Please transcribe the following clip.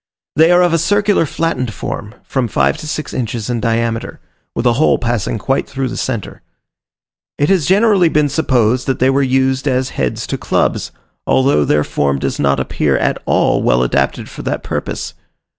They are of a circular flattened form, from five to six inches in diameter, with a hole passing quite through the centre. It has generally been supposed that they were used as heads to clubs, although their form does not appear at all well adapted for that purpose.